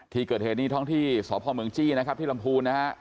ตรงที่สหพาคมเมืองจีนนะครับที่ลำภูนิ